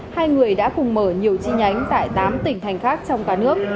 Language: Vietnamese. hai người đã cùng mở nhiều chi nhánh tại tám tỉnh thành khác trong cả nước